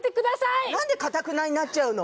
なんでかたくなになっちゃうの？